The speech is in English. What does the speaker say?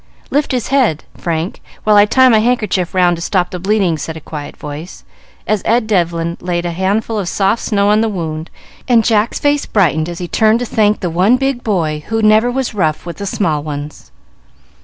"Lift his head, Frank, while I tie my handkerchief round to stop the bleeding," said a quiet voice, as Ed Devlin laid a handful of soft snow on the wound; and Jack's face brightened as he turned to thank the one big boy who never was rough with the small ones.